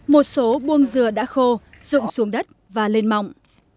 một số buông dừa đã khô rụng xuống đất và lên mọng